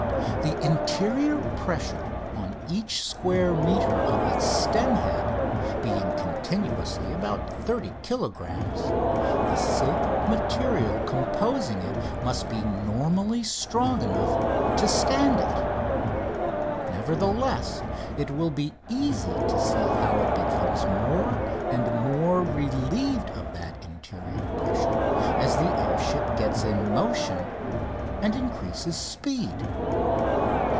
The interior pressure on each square metre of its stem head being continuously about 30 kilogrammes the silk material composing it must be normally strong enough to stand it; nevertheless, it will be easy to see how it becomes more and more relieved of that interior pressure as the air ship gets in motion and increases speed.